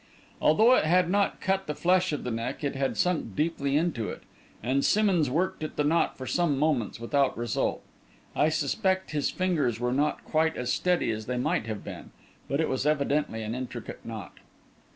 Although it had not cut the flesh of the neck, it had sunk deeply into it, and Simmonds worked at the knot for some moments without result. I suspect his fingers were not quite as steady as they might have been; but it was evidently an intricate knot.